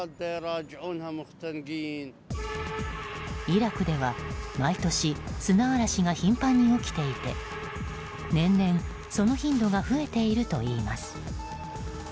イラクでは毎年、砂嵐が頻繁に起きていて年々、その頻度が増えているといいます。